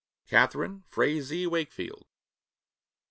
Catharine Frazee Wakefield.